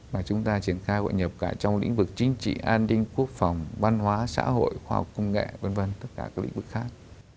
mà chúng ta triển khai hội nhập cả trong lĩnh vực chính trị an ninh quốc phòng văn hóa xã hội khoa học công nghệ v v tất cả các lĩnh vực khác